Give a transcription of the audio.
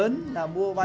thì những người nhớ